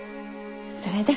それで？